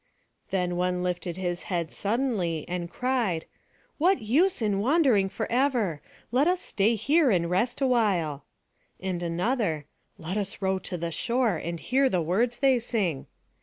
Then one lifted his head suddenly, and cried, "What use in wandering forever? Let us stay here and rest awhile." And another, "Let us row to the shore, and hear the words they sing."